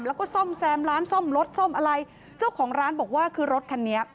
แล้วก็ซ่อมแซมร้านซ่อมรถซ่อมอะไรเจ้าของร้านบอกว่าคือรถคันนี้